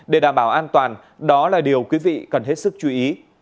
để đảm bảo an toàn đó là điều quý vị cần hết sức chú ý